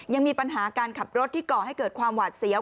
ยังมีปัญหาการขับรถที่ก่อให้เกิดความหวาดเสียว